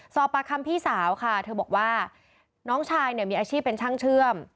สอบปากคำพี่สาวค่ะเธอบอกว่าน้องชายเนี่ยมีอาชีพเป็นช่างเชื่อม